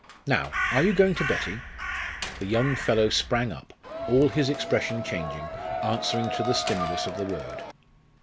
Now, are you going to Betty?" The young fellow sprang up, all his expression changing, answering to the stimulus of the word.